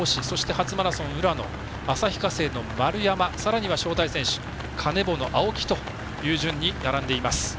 そして初マラソン、浦野旭化成、丸山さらには招待選手カネボウの青木という順に並んでいます。